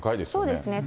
そうですね。